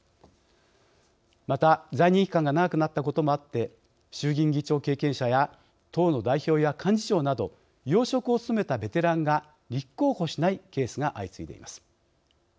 また、在任期間が長くなったこともあって衆議院議長経験者や党の代表や幹事長など、要職を務めたベテランが立候補しないケースが相次いでいます。